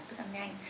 tức là ăn nhanh